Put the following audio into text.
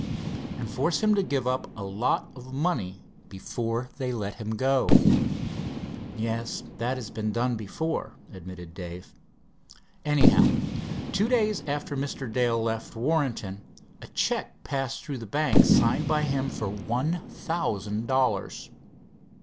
"And force him to give up a lot of money before they let him go." "Yes, that has been done before," admitted Dave. "Anyhow, two days alter Mr. Dale left Warrenton, a check passed through the bank signed by him for one thousand dollars."